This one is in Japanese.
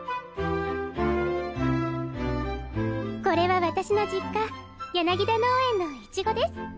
これは私の実家柳田農園のイチゴです。